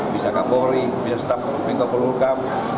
bisa kapolri bisa staf penyelenggaraan hukam